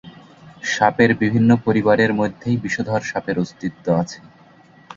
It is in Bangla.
সাপের বিভিন্ন পরিবারের মধ্যেই বিষধর সাপের অস্তিত্ব আছে।